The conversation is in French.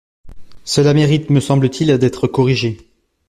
Cela mérite, me semble-t-il, d’être corrigé.